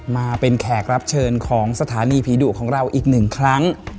มาเป็นแขกรับเชิญของสถานีผีดุของเราอีกหนึ่งครั้ง